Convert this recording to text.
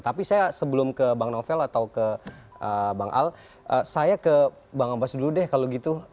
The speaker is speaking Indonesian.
tapi saya sebelum ke bang novel atau ke bang al saya ke bang ambas dulu deh kalau gitu